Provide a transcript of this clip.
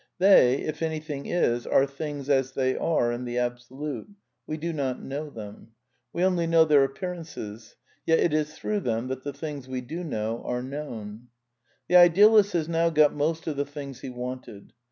They, if anything is, are things as they are in the Absolute. We do not know them. We only know their appearances ; yet it is through them that the things we do kaow are known. The idealist has now got most of the things he wanted.